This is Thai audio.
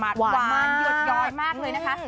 หวานหวานเยอะเยอะย้อยมักเลยนะคะ